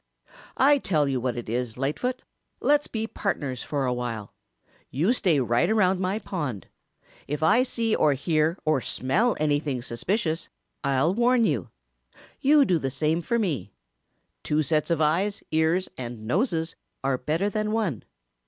"I tell you what it is, Lightfoot, let's be partners for a while. You stay right around my pond. If I see or hear or smell anything suspicious, I'll warn you. You do the same for me. Two sets of eyes, ears and noses are better than one.